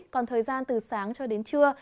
còn thời gian từ sáng cho đến trưa